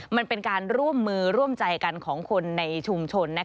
มันเป็นการร่วมมือร่วมใจกันของคนในชุมชน